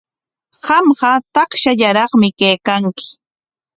Qamqa takshallaraqmi kaykanki.